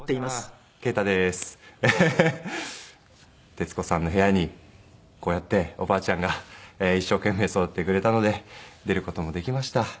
徹子さんの部屋にこうやっておばあちゃんが一生懸命育ててくれたので出る事もできました。